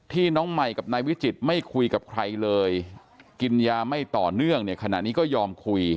น้องใหม่กับนายวิจิตไม่คุยกับใครเลยกินยาไม่ต่อเนื่องเนี่ยขณะนี้ก็ยอมคุย